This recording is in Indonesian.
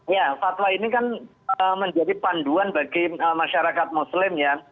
ya fatwa ini kan menjadi panduan bagi masyarakat muslim ya